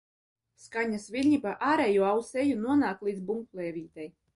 Skaņas viļņi pa ārējo auss eju nonāk līdz bungplēvītei.